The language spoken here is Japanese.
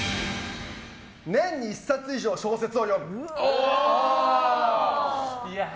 年に１冊以上小説を読む。